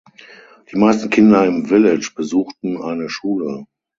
Die meisten Kinder im Village besuchten eine Schule.